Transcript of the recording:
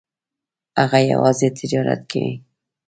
هغه یوازې تجارت کوي.